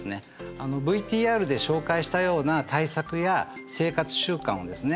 あのＶＴＲで紹介したような対策や生活習慣をですね